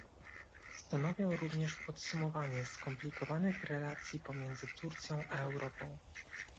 Stanowią również podsumowanie skomplikowanych relacji pomiędzy Turcją a Europą